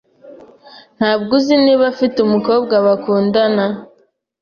Ntabwo uzi niba afite umukobwa bakundana?